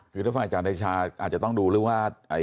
เดี๋ยวฟังอาจารย์เดชาอาจจะต้องดูว่า